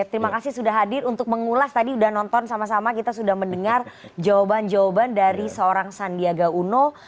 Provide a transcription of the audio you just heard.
terima kasih sudah hadir untuk mengulas tadi sudah nonton sama sama kita sudah mendengar jawaban jawaban dari seorang sandiaga uno